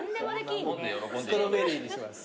ストロベリーにします。